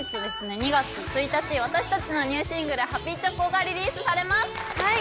２月１日私たちのニューシングル「ハピチョコ」がリリースされます